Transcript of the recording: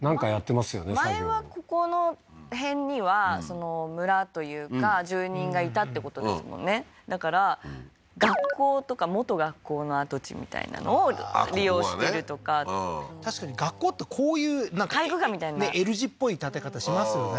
作業前はここの辺には村というか住人がいたってことですもんねだから学校とか元学校の跡地みたいなのを利用してるとか確かに学校ってこういう体育館みたいなＬ字っぽい建て方しますよね